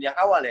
yang awal ya